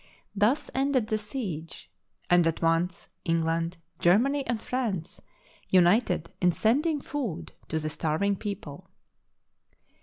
Thus ended the siege, and at once Eng land, Germany, and France united in sending food to the starving people.